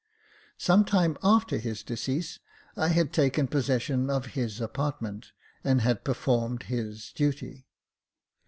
Some time after his decease, I had taken possession of his apart ment and had performed his duty.